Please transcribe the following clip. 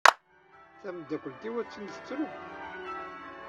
Tamdakelt-iw attan tettru.